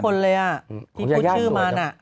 ยังเห็นของทุกคนเลยอ่ะที่พูดชื่อมันอ่ะ